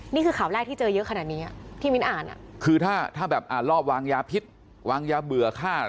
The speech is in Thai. นี่คือข่าวแรกที่เจอเยอะขนาดนี้อ่ะที่มิ้นอ่านอ่ะคือถ้าถ้าแบบอ่านรอบวางยาพิษวางยาเบื่อฆ่า